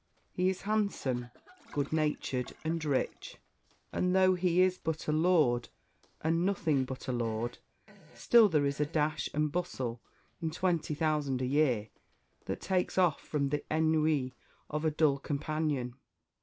He is handsome, good natured, and rich; and though 'he is but a Lord, and nothing but a Lord,' still there is a dash and bustle in twenty thousand a year that takes off from the ennui of a dull companion.